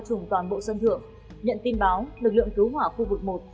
cảm bộ sân thượng nhận tin báo lực lượng cứu hỏa khu vực một